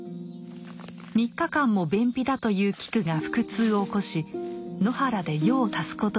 ３日間も便秘だというキクが腹痛を起こし野原で用を足すことになりました。